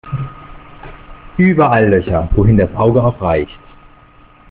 Überall Löcher, wohin das Auge auch reicht.